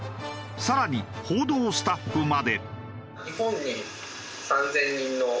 更に報道スタッフまで。